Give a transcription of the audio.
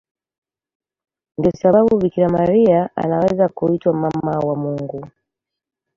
Ndiyo sababu Bikira Maria anaweza kuitwa Mama wa Mungu.